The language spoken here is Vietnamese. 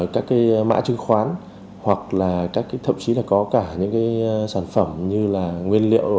các cái mã chứng khoán hoặc là thậm chí là có cả những cái sản phẩm như là nguyên liệu